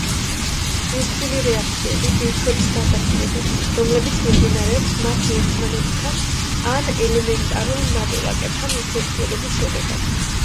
ბირთვული რეაქციები, ბირთვების გარდაქმნები, რომლებიც მიმდინარეობს მათი ერთმანეთთან ან ელემენტარულ ნაწილაკებთან ურთიერთქმედების შედეგად.